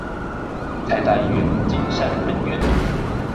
臺大醫院金山分院